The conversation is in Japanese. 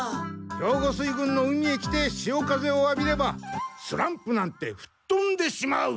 兵庫水軍の海へ来てしお風をあびればスランプなんてふっとんでしまう！